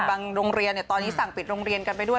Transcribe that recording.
โรงเรียนตอนนี้สั่งปิดโรงเรียนกันไปด้วย